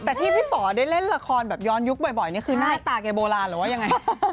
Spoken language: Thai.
แต่ที่พี่ป๋อได้เล่นละครแบบย้อนยุคบ่อยนี่คือหน้าตาแกโบราณหรือว่ายังไง